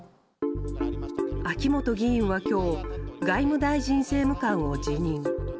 秋本議員は今日外務大臣政務官を辞任。